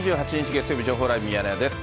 月曜日、情報ライブミヤネ屋です。